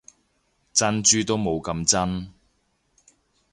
珍珠都冇咁真